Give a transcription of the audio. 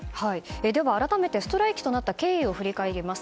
では改めてストライキとなった経緯を振り返ります。